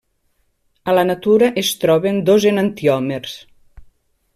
A la natura es troben dos enantiòmers.